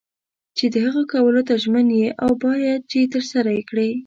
چې د هغه کولو ته ژمن یې او باید چې ترسره یې کړې.